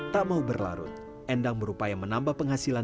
tak mau berlarut endang berupaya menambah penghasilan